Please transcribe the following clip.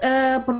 ehh iya untuk